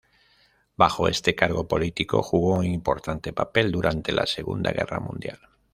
Bajo este cargo político jugó un importante papel durante la Segunda Guerra Mundial.